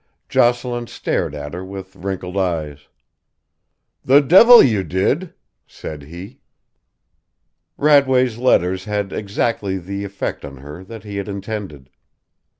Jocelyn stared at her with wrinkled eyes. "The devil you did!" said he. Radway's letters had exactly the effect on her that he had intended.